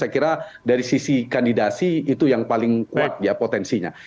saya kira dari sisi kandidasi itu yang paling kuat ya potensinya